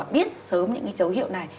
biết sớm những cái dấu hiệu này